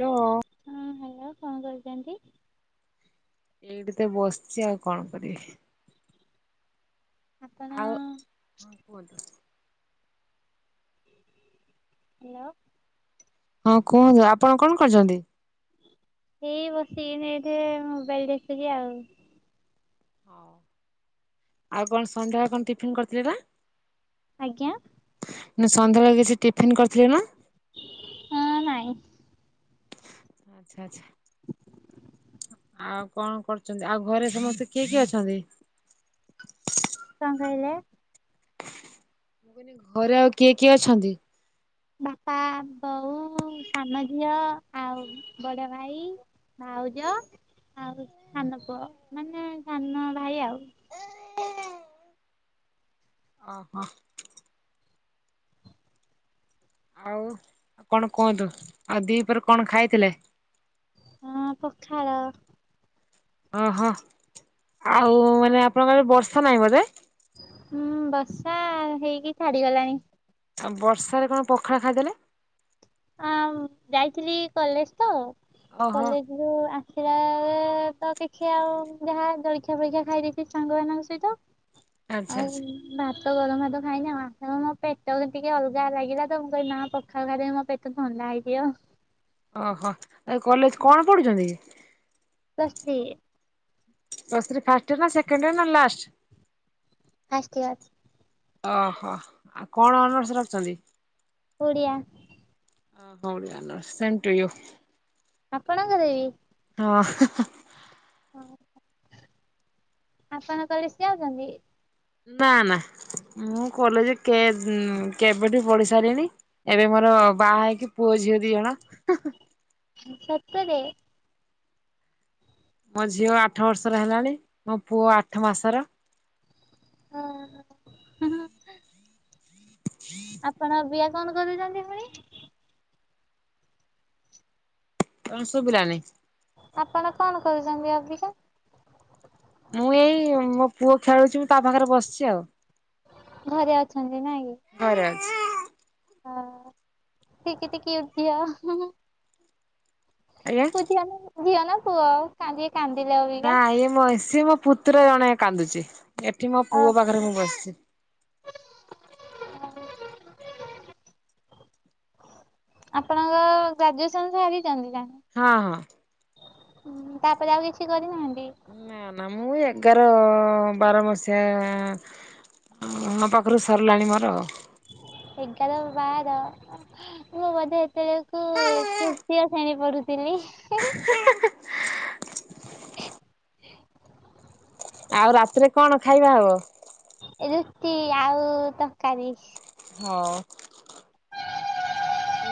Hello. ହଁ hello କଣ କରୁଛନ୍ତି? ଏଇଠି ତ ବସିଛି ଆଉ କଣ କରିବି। ଆପଣ ଆଉ ହଁ କୁହନ୍ତୁ? ହାଲୋ। ହଁ କୁହନ୍ତୁ ଆପଣ କଣ କରୁଛନ୍ତି? ଏଇ ବସିକିିନି ଏଠି ମୋବାଇଲ ଦେଖୁଥିଲି ଆଉ। ହଉ ଆଉ କଣ ସନ୍ଧ୍ୟାବେଳେ କଣ ଟିଫିିନ କରିଥିଲେ ପା? ଆଜ୍ଞା। ନା ସନ୍ଧ୍ୟାବେଳେ ଆଉ କିଛି ଟିଫିନ କରିଥିଲେ ନା? ହଁ ନାଇଁ। ଆଛା ଆଛା। ଆଉ କଣ କରୁଛନ୍ତି ଆଉ ଘରେ ସମସ୍ତେ କିଏ କିଏ ଅଛନ୍ତି? କଣ କହିଲେ? ମୁଁ କହିଲି ଘରେ ଆଉ କିଏ କିଏ ଅଛନ୍ତି? ବାପା, ବୋଉ, ସାନ ଝିଅ ଆଉ ବଡ ଭାଇ। ଭାଉଜ ଆଉ ସାନ ପୁଅ ମାନେ ସାନ ଭାଇ ଆଉ। ଅ ହଁ। ଆଉ କଣ କୁହନ୍ତୁ ଆଉ ଦି ପରେ କଣ ଖାଇଥିଲେ? ହଁ ପଖାଳ। ଓହୋ ଆଉ ମାନେ ଆପଣମାନେ ବର୍ଷା ନାହିଁ ବୋଧେ? ହୁଁ ବର୍ଷା ହେଇକି ଛାଡିଗଲାଣି। ବର୍ଷାରେ କଣ ପଖାଳ ଖାଇଦେଲେ? ଆଉ ଯାଇଥିଲି କଲେଜ ତ ଓହୋ କଲେଜ ରୁ ଆସିଲା ଵେଳେ ତ ଦେଖିଆ ଆଉ ଯାହା ଜଳଖିଆ ଫଳଖିଆ ଖାଇଦେଇଛି ସାଙ୍ଗମାନଙ୍କ ସହିତ ଆଚ୍ଛା ଆଉ ଆଚ୍ଛା ଭାତ ଗରମ ଭାତ ଖାଇନି ମୋ ପେଟ ବି ଟିକେ ଅଲଗା ଲାଗିଲା ତ ମୁଁ କହିଲି ନା ପଖାଳ ଖାଇଦବି ମୋ ପେଟ ମତେ ଥଣ୍ଡା ହେଇଛି ଗୋ ଓହୋ ଆଉ କଲେଜ କଣ ପଢୁଛନ୍ତି କି? Plus three. Plus three first year ନା ସେକେଣ୍ଡ ୟର ନ ଲାଷ୍ଟ? First year. ଓହୋ ଆଉ କଣ ଅନର୍ସ ରଖଛନ୍ତି? ଓଡ଼ିଆ। ହ ହଉ ଓଡ଼ିଆ ଅନର୍ସ ସେମ ଟୁୟୁ। ଆପଣଙ୍କ ବି ହଁ। ହ ଆପଣଙ୍କର ବି [unintelligible] ଅଛନ୍ତି। ନା ନା ମୁଁ କଲେଜ କେବ୍ କେବେଠି ପଢି ସାରିଲିଣି। ଏବେ ମୋର ବାହା ହେଇ କି ପୁଅ ଝିଅ ଦି ଜଣ। ସତରେ। ମୋ ଝିଅ ଆଠ ବର୍ଷର ହେଲାଣି ମୋ ପୁଅ ଆଠ ମାସର। ହ ଆପଣ ବି କଣ କରୁଚନ୍ତି ପୁଣି। କଣ ଶୁଭିଲାନି। ଆପଣ କଣ କହୁଛନ୍ତି ଅବିକା। ମୁଁ ଏଇ ମୋ ପୁଅ ଖେଳୁଛି ମୁଁ ତା ପାଖରେ ବସିଛି ଆଉ। ଘରେ ଅଛନ୍ତି ନାଇଁ କି। ଘରେ ଅଛି। ହଁ ସେ କେତେ କ୍ୟୁଟ ଝିଅ। ଆଜ୍ଞା। ପୁ ଝିଅ ଝିଅ ନା ପୁଅ କାନ୍ଦିଏ କାନ୍ଦିଲେ ଆଉ। ନା ଇଏ ମ ସିଏ ମୋ ପୁତୁରା ଜଣେ କାନ୍ଦୁଛି ଏଠି ମୋ ଓ ପୁଅ ପାଖରେ ମୁଁ ବସିଛି। [inaudible] ଆପଣଙ୍କ ଗ୍ରାଜୁଏସନ ସାରିଛନ୍ତି ନା। ହଁ ହଁ। ହଁ ତାପରେ ଆଉ କିଛି କରିନାହାନ୍ତି। ନା ନା ମୁଁ ଏଗାର ବାର ମସିହା। ମୋ ପାଖରୁ ସରିଲାଣି ମୋର ଆଉ। ଏଗାର ବାର। ମୁଁ ବୋଧେ ଏତେବେଳକୁ ତୃତୀୟ ଶ୍ରେଣୀ ପଢୁଥିଲି। [unintelligible] ଆଉ ରାତିରେ କଣ ଖାଇବା ହବ? ରୁଟି ଆଉ ତରକାରୀ। ହଁ।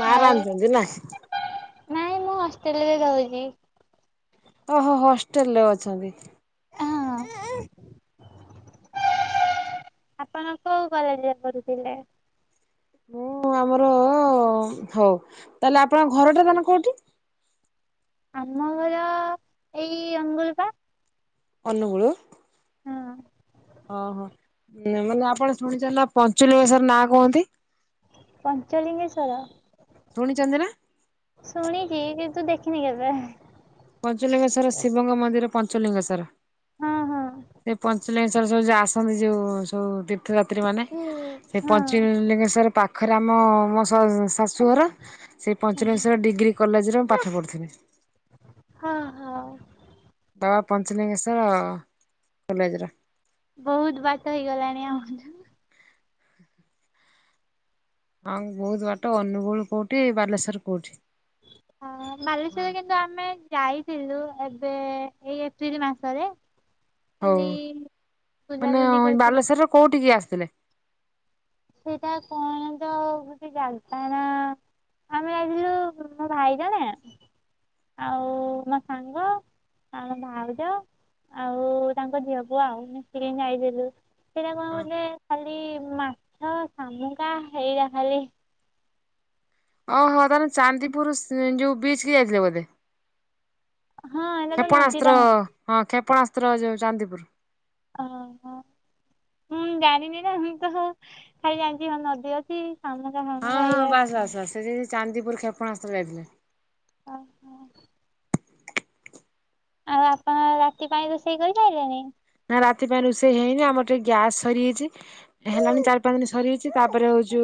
ମା ଆଉ ରାନ୍ଧୁଛନ୍ତି ନା। ନାଇଁ ମୁଁ ହଷ୍ଟେଲ ରେ ରହୁଛି। ଓହୋ ହୋ ହଷ୍ଟେଲ ରେ ଅଛନ୍ତି। ହଁ। ଆପଣ କୋଉ କଲେଜରେ ପଢ଼ୁଥିଲେ? ମୁଁ ଆମର ହଉ ତାହେଲେ ଆପଣଙ୍କ ଘରଟା ମାନେ କୋଉଠି? ଆମ ଘର ଏଇ ଅନୁଗୁଳ ବା। ଅନୁଗୁଳ ହଁ ଓହୋ ମାନେ ଆପଣ ଶୁଣିଚି ନା ପଞ୍ଚ ଲିଙ୍ଗେଶ୍ୱର୍ ନା କୁହନ୍ତି। ପଞ୍ଚଲିଙ୍ଗେଶ୍ୱର। ଶୁଣିଛନ୍ତି ନା। ଶୁଣିକି କିନ୍ତୁ ଦେଖିନି କେବେ। ପଞ୍ଚଲିଙ୍ଗେଶ୍ୱଵର ଶିବଙ୍କ ମନ୍ଦିର ପଞ୍ଚଲିଙ୍ଗେଶ୍ୱର ହଁ ହଁ ସେ ପଞ୍ଚଲିଙ୍ଗେଶ୍ୱ ଯ ଯ ଆସନ୍ତି ଯୋଉ ସବୁ ତୀର୍ଥଯାତ୍ରୀ ମାନେ ସେ ହଁ ପଞ୍ଚଲିଙ୍ଗେଶ୍ଵର ପା ପାଖରେ ଆମ ମୋ ସ ଶାଶୁଘର ସେଇ ପଞ୍ଚଲିଙ୍ଗେଶ୍ୱର ଡିଗ୍ରୀ କଲେଜରେ ମୁଁ ପାଠ ପଢୁଥିଲି। ହଁ ହଁ। ବାବା ପଞ୍ଚଳୀଙ୍ଗେଶ୍ୱର କଲେଜ ରେ। ବହୁତ ବାଟ ହେଇଗଲାଣି ଆମ ହଁ ବହୁତ ବାଟ ଅନୁଗୁଳ କୋଉଠି ବାଲେଶ୍ଵର କୋଉଠି। ହଁ ବାଲେଶ୍ୱର କେ କିନ୍ତୁ ଆମେ ଯାଇଥିଲୁ ଏବେ ଏଇ ଏପ୍ରିଲ ମାସରେ। ହଉ ଖାଲି ମାନେ ବୁଲାବୁଲି କରିଥିଲୁ ବାଲେଶ୍ଵରରେ କୋଉଠିକି ଆସିଥିଲେ? ସେଟା କଣ ତ ଗୋଟେ ଜାଗା ନା ଆମେ ଯାଇଥିଲୁ ମୋ ଭାଇ ଜଣେ ଆଉ ମୋ ସାଙ୍ଗ ଆଉ ମୋ ଭାଉଜ ଆଉ ତାଙ୍କ ଝିଅ ପୁଅ ଆଉ ମିଶିକି ଯାଇଥିଲୁ। ସେଟ କଣ ଗୋଟେ ଖାଲି ମାଛ ଶାମୁକା ହେଇରା ଖାଲି ଓହୋ ତାହେନେ ଚାନ୍ଦିପୁର ସି ଯୋଉ ବିଚ କି ଯାଇଥିଲ ବୋଧେ? ହଁ ଏଇଟା ତ କ୍ଷେପଣାସ୍ତ୍ର ନଦୀଟା ହଁ କ୍ଷେପଣାସ୍ତ୍ର ଯୋଉ ଚାନ୍ଦିପୁର। ହ ହଁ। ମୁଁ ଜାଣିନି ନା ମୁଁ ତ ଖାଲି ଜାଣିଛି ନଦୀ ଅଛି ସମୁ ହଁ ହଁ ବାସ୍ ବାସ୍ ବାସ ସେ ଚାନ୍ଦିପୁର କ୍ଷେପଣାସ୍ତ୍ର ଯାଇଥିଲେ। ଓ ହୋ। ଆଉ ଆପଣ ରାତି ପାଇଁ ରୋଷେଇ କରିସାଇଲେଣି? ନା ରାତି ପାଇଁ ରୋଷେଇ ହେଇନି ଆମର ଟିକେ ଗ୍ୟାସ୍ ସରିଯାଇଚି। ହେଲାଣି ଚାରି ପାଞ୍ଚ ଦିନ ସରିଯାଇଚି ତାପରେ ହଉଚୁ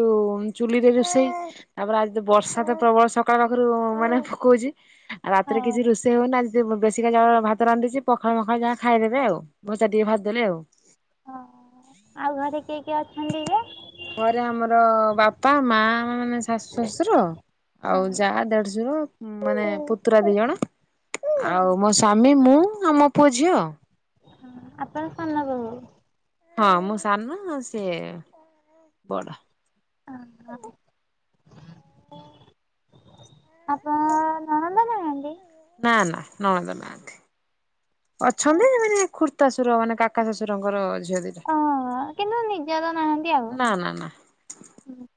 ଚୁଲିରେ ରୋଷେଇ ତାପରେ ଆଜି ତ ବର୍ଷା ତ ପ୍ରବଳ ସକାଳ ପାଖରୁ ମାନେ ପକଉଚି। ଆଉ ହଁ ରାତିରେ କିଛି ରୋଷେଇ ହଉନି ଆଜି ଟିକେ ବେଶୀକା ଚାଉଳ ଭାତ ରାନ୍ଧିଦେଇଚି ପଖାଳ ମଖାଳ ଯାହା ଖାଇଦେବେ ଆଉ। ଭଜା ଟିକେ ଭାଜିଦେଲେ ଆଉ। ହଁ ଆଉ ଘରେ କିଏ କିଏ ଅଛନ୍ତି ଯେ? ଘରେ ଆମର ବାପା ମା ମାନେ ଶାଶୁ ଶଶୁର ହଁ ଆଉ ଯା ଦେଢଶୁର ମାନେ ପୁତୁରା ଦି ଜଣ ଆଉ ମୋ ସ୍ଵାମୀ ମୁଁ ଆଉ ମୋ ପୁଅ ଝିଅ। ହଁ। ଆପଣ ସାନ ବୋହୁ? ହଁ ମୁଁ ସାନ ସିଏ ବଡ। ଅ ହ। ଆପଣ ଙ୍କ ନଣଦ ନାହାନ୍ତି? ନା ନା ନଣନ୍ଦ ନାହାନ୍ତି ଅଛନ୍ତି ହଁ ମାନେ ଖୁଡ଼ି ତାଶୁର ମାନେ କାକା ଶ୍ୱଶୁରଙ୍କର ଝିଅଦିଟା। ଓ କିନ୍ତୁ ନିଜର ନାହାଁନ୍ତି ଆଉ। ନ ନା ନା। ହୁଁ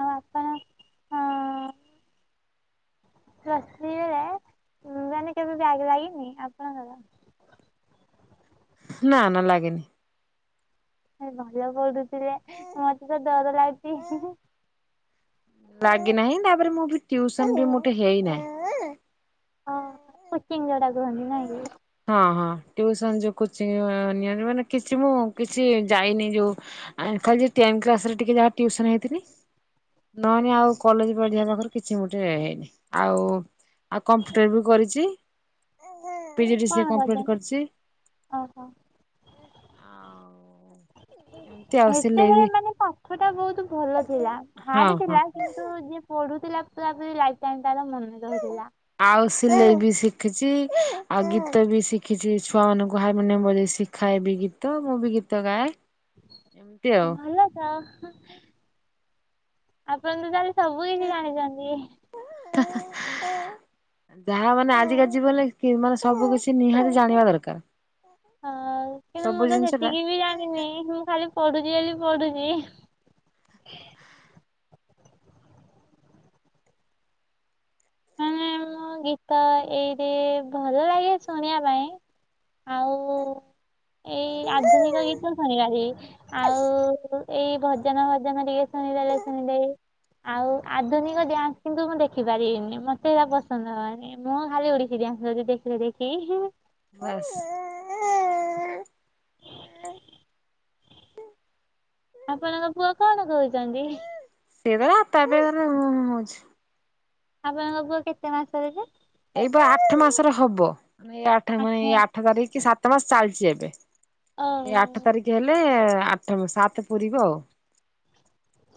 ଆଉ ଆପଣ ଅଁ ପ୍ଲସ ଥ୍ରୀ ରେ ମାନେ କେବେ ବ୍ୟାକ ଲାଗିନି ଆପଣଙ୍କର? ନା ନା ଲାଗେନି। ତାଲେ ଭଲ ପଢୁଥିଲେ ମତେ ତ ଡର ଲାଗୁଚି। ଲାଗି ନାହିଁ ତାପରେ ମୁଁ ବି ଟିୱସନ ବି ମୋଟେ ହେଇନାହିଁ। ହଁ କୋଚିଙ୍ଗ ଜୋଉଟା କୁହନ୍ତି ନାଇଁ କି? ହଁ ହଁ ଟ୍ୟୁସନ ଯୋଉ କୋଚିଂ ନିଅନ୍ତି ମାନେ କିଛି ମୁଁ କିଛି ଯାଇନି ଯୋଉ ଆ ଖାଲି ଟେନ କ୍ଲାସ ରେ ଟିକେ ଯାହା ଟିଉସନ ହେଇଥିନି। ନନେ ଆଉ କଲେଜ ପଢିବା ପାଖରୁ କିଛି ମୋଟେ ହେଇନି। ଆଉ ଆଉ କମ୍ପ୍ୟୁଟର ବି କରିଚି। କଣ କରିଚନ୍ତି? କରିଛି। ଓହୋ। ହ ସେତେବେଳେ ମାନେ ପାଠ ଟା ବହୁତ ଭଲ ଥିଲା। ହଁ ହାର୍ଡ ହଁ। ଥିଲା କି ନ୍ତୁ ଯିଏ ପଢୁଥିଲା ପୁରାପୁରୀ ଲାଇଫ ଟାଇମ ତାର ମନେ ରହୁ ଆଉ ସିଲେଇବି ସି ଖିଚି ଆଉ ଗୀତ ବି ଶିଖିଚି ଛୁଆ ମାନଙ୍କୁ ହାରମୋନିଅମ ବଜେଇ ଶିଖାଏ ବି ଗୀ ତ ମୁଁ ବି ଗୀତ ଗାଏ। ଏମିତି ଆଉ ଭଲ ତ। ଆପଣ ତ ତାହେଲେ ସବୁ କିଛି ଜାଣିଚନ୍ତି। ଯାହା ମାନେ ଆଜିକା ଜୀବନ ମାନେ ସବୁ କିଛି ନିହାତି ଜାଣିବା ଦରକାର। ହଁ କିନ୍ତୁ ସବୁ ମୁଁ ତ ଜିନିଷ ଟା ସେତିକି ବି ଜାଣିନି ମୁଁ ଖାଲି ପଢୁଚି ବୋଲି ପଢୁଚି। ମାନେ ମୋ ଗୀତ ଏଇରେ ଭଲ ଲାଗେ ଶୁଣିବା ପାଇଁ ଆଉ ଏଇ ଆଧୁନିକ ଗୀତ ଶୁଣିବାରି ଆଉ ଏଇ ଭଜନ ଭଜନ ଟିକେ ଶୁଣିଦେଲେ ଶୁଣିଦେବି ଆଉ ଆଧୁନିକ ଡ୍ୟାନ୍ସ କିନ୍ତୁ ମୁଁ ଦେଖିପାରିବିନି। ମତେ ଏରା ପସନ୍ଦ ନୁହଁ ନି ମୁଁ ଖାଲି ଓଡ଼ିଶୀ ଡ୍ୟାନ୍ସ ଯଦି ଦେଖିଲେ ଦେଖିବି ଭଏସ୍ [inaudible] ଆପଣଙ୍କ ପୁଅ କଣ କରୁଚନ୍ତି। ସିଏ ତାର ଆପେ ଆପେ ତାର ହୁଁ ହୁଁ ହୋଉଚି। ଆପଣଙ୍କ ପୁଅ କେତେ ମାସରେ କି। ଏଇବା ଆଠ ମାସର ହବ ଏଇ ଆଠ ର ମା ଏଇ ଆଠ ତାରିଖ କି ସାତ ମାସ ଚାଲିଛି ଏବେ। ଏ ଆଠ ଓହୋ ତାରିଖ ହେଲେ ଆଠ ସାତ ପୁରିବ ଆଉ।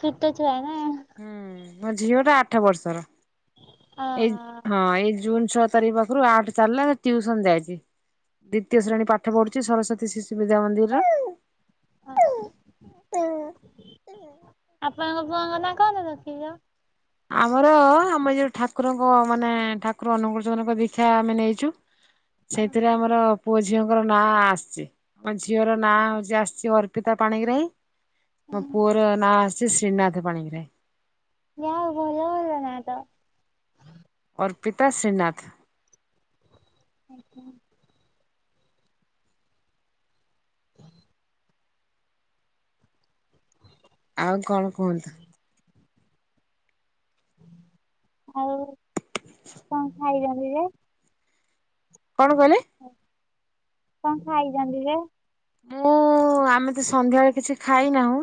ଛୋଟ ଛୁଆ ଏଇନା। ହୁଁ ମୋ ଝିଅ ଟା ଆଠ ବର୍ଷର ଅ ଏଇ ହଁ ଏଇ ଜୁନ ଛଅ ତାରିଖ ପାଖରୁ ଆଠ ଚାଲିଲା ସେ ଟିଉସନ ଯାଇଚି। ଦ୍ୱିତୀୟ ଶ୍ରେଣୀ ପାଠ ପଢୁଛି ସରସ୍ଵତୀ ଶିଶୁ ବିଦ୍ୟା ମନ୍ଦିର। ଓ ହ [inaudible] ଆପଣଙ୍କ ପୁଅଙ୍କ ନା କଣ ରଖିଚ।। ଆମର ଆମେ ଯୋଉ ଠାକୁରଙ୍କ ମାନେ ଠାକୁର ଅନୁଗୁଳ ଚନ୍ଦ୍ରଙ୍କ ଦୀକ୍ଷା ଆମେ ନେଇଚୁ। ଅ, ସେଇଥିରେ ଆମର ପୁଅ ଝିଅଙ୍କର ନାଁ ଆସିଚି ଆମ ଝିଅର ନାଁ ହଉଚି ଆସିଚି ଅର୍ପିତା ପାଣିଗ୍ରାହୀ। ମୋ ପୁଅର ନାଁ ଆସିଚି ଶ୍ରୀନାଥ ପାଣିଗ୍ରାହି। ଯା ହଉ ଭଲ [unintelligible] ନାଁ ଟା। ଅର୍ପିତା ଶ୍ରୀନାଥ। ଓଃ। ହ ଆଉ କଣ କୁହନ୍ତୁ। ଆଉ କଣ ଖାଇଛନ୍ତି ଯେ କଣ କହିଲେ। କଣ ଖାଇଛନ୍ତି ଯେ ମୁଁ ଆମେ ତ ସନ୍ଧ୍ୟାବେଳେ କିଛି ଖାଇନାହୁଁ।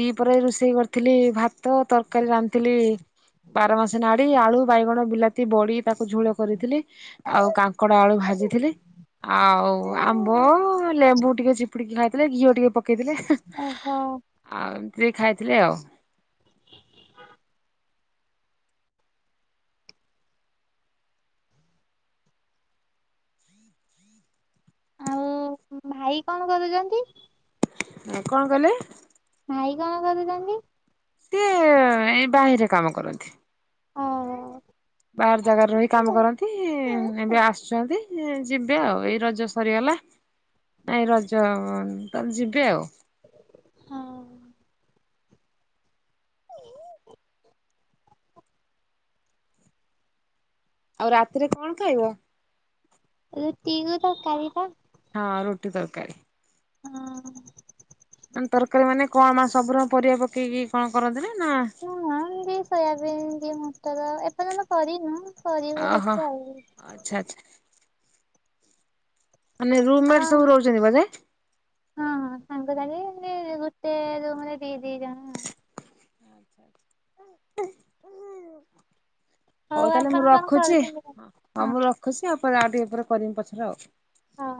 ଦି ପହରେ ରୋଷେଇ କରିଥିଲି ଭାତ ତରକାରୀ ରାନ୍ଧ ଥିଲି ବାର ମାସି ନାଡି ଆଳୁ ବାଇଗଣ ବିଲାତି ବଡି ତାକୁ ଝୋଳ କରିଥିଲି। ଆଉ କାଙ୍କଡ ଆଳୁ ଭାଜିଥିଲି ଆଉ ଆମ୍ବ ଲେମ୍ବୁ ଟିକେ ଚିପୁଡ଼ିକି ଖାଇଥିଲେ ଘିଅ ଟିକେ ପକେଇଥିଲେ। ଓହୋ। ଆଉ ଏମିତି ବି ଖାଇଥିଲେି ଆଉ। [inaudible] ଆଉ ଭାଇ କଣ କରୁଛନ୍ତି। ଆ କଣ କଇଲେ। ଭାଇ କଣ କରୁଚନ୍ତି। ସିଏ ଏଇ ବାହିରେ କାମ କରନ୍ତି। ଓହ। ବାହାର ଜାଗାରେ ରହି କାମ କରନ୍ତି ଏବେ ଆସିଚନ୍ତି। ଯିବେ ଆଉ ଏଇ ରଜ ସରିଗଲା ନାଇଁ ରଜ ତା ଯିବେ ଆଉ। ହଁ। ଆଉ ରାତିରେ କଣ ଖାଇବ। ରୁଟି କୁ ତରକାରି ପା। ହଁ ରୋଟି ତରକାରୀ। ହଁ। ଏନ୍ ତରକାରୀ ମାନେ କଣ ମା ସବୁୁରଙ୍କ ପରିବା ପକେଇକି କଣ କରନ୍ତିନା ନା ମୋ ମା ଏମିତି ସୋୟାବିନ୍ କି ମଟର ଏପର୍ଯ୍ୟନ୍ତ କରିନୁ। କରିବୁ ଓହୋ, ଦେଖିଆ ଆଉ। ଆଚ୍ଛା, ଆଚ୍ଛା। ମାନେ ରୁମ୍ ଆମ ମେଟ୍ ସବୁ ରହୁଛନ୍ତି ବୋଧେ? ହଁ, ହଁ ସାଙ୍ଗସାଥୀ ଏମିତି ଗୁଟେ ରୁମ୍ ରେ ଦି ଦି ଜଣ। ଆଉ। ହ ହଉ ତାହେଲେ ମୁଁ ଆପଣ କଣ ରଖୁଛି, କରୁଛନ୍ତି? ହଁ ମୁଁ ରଖୁଛି ଆଉ ପରେ ଆଉ ଟିକେ ପରେ କରିମି ପଛରେ ଆଉ। ହଁ।